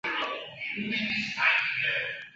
华西亚是一名修士和亨利一世的宫廷弄臣。